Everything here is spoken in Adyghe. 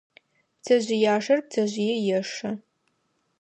Пцэжъыяшэр пцэжъые ешэ.